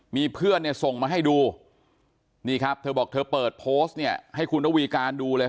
มีเพื่อนเนี่ยส่งมาให้ดูนี่ครับเธอบอกเธอเปิดโพสต์เนี่ยให้คุณระวีการดูเลย